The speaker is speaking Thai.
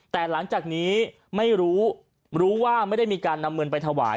แต่หลังจากนี้ไม่รู้รู้ว่าไม่ได้มีการนำเงินไปถวาย